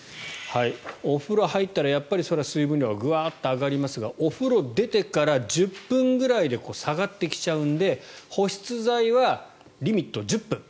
お風呂に入ったらそれは水分量はグワーッと上がりますがお風呂出てから１０分ぐらいで下がってきちゃうので保湿剤はリミット１０分。